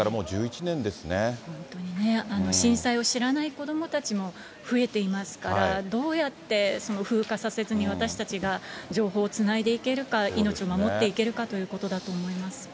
本当にね、震災を知らない子どもたちも増えていますから、どうやって風化させずに私たちが情報をつないでいけるか、命を守っていけるかということだと思います。